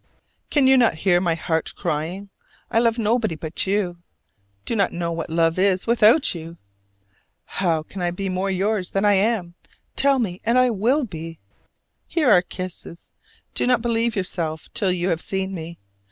Can you not hear my heart crying? I love nobody but you do not know what love is without you! How can I be more yours than I am? Tell me, and I will be! Here are kisses. Do not believe yourself till you have seen me.